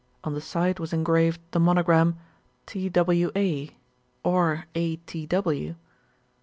On the side was engraved the monogram T.W.A., orA.T.W.